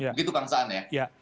begitu kang saan ya